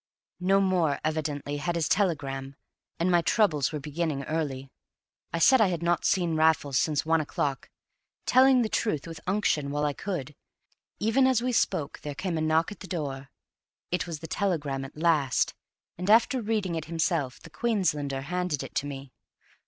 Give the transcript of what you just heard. No more, evidently, had his telegram, and my troubles were beginning early. I said I had not seen Raffles since one o'clock, telling the truth with unction while I could; even as we spoke there came a knock at the door; it was the telegram at last, and, after reading it himself, the Queenslander handed it to me.